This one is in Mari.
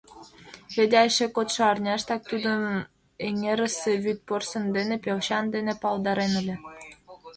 Федя эше кодшо арняштак тудым эҥерысе вӱд порсын дене — пелчан дене палдарен ыле.